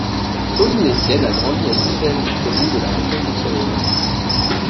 Pauline Étienne a grandi à Ixelles, commune de la région bruxelloise.